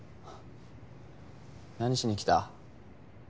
何しに来た？